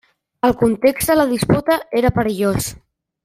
El context de la disputa era perillós.